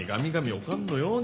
おかんのように。